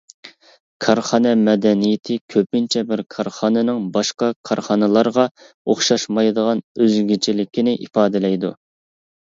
كارخانا مەدەنىيىتى كۆپىنچە بىر كارخانىنىڭ باشقا كارخانىلارغا ئوخشاشمايدىغان ئۆزگىچىلىكىنى ئىپادىلەيدۇ.